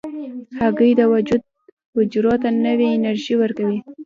هګۍ د وجود حجرو ته نوې انرژي ورکوي.